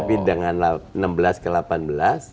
pdip nya lagi turun ke lima belas